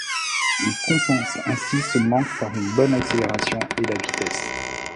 Il compense ainsi ce manque par une bonne accélération et la vitesse.